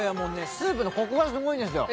スープのコクがすごいんですよ。